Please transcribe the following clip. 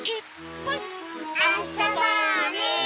あそぼうね。